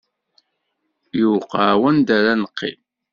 Yuqa wanda ara neqqim!